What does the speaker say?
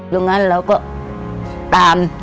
ตรงนั้นเราก็ตาม